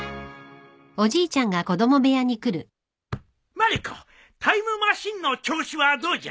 まる子タイムマシンの調子はどうじゃ？